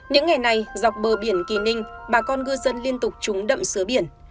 những ngày này dọc bờ biển kỳ ninh bà con ngư dân liên tục trúng đậm sứa biển